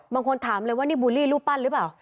บางคนถามเลยว่านี่บูลลี่รูปปั้นหรือเปล่า